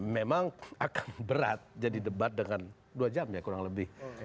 memang akan berat jadi debat dengan dua jam ya kurang lebih